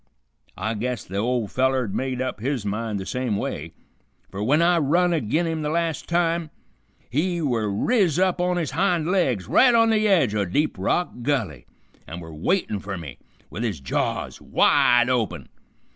I guess the ol' feller had made up his mind the same way, fer w'en I run agin him the las' time, he were riz up on his hind legs right on the edge o' Deep Rock Gulley, and were waitin' fer me with his jaws wide open.